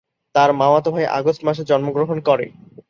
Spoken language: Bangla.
তার মামাতো ভাই আগস্ট মাসে জন্মগ্রহণ করে।